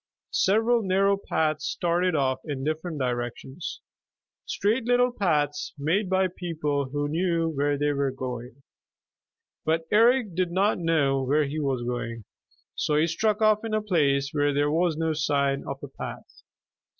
Several narrow paths started off in different directions, straight little paths made by people who knew where they were going. But Eric did not know where he was going, so he struck off in a place where there was no sign of a path.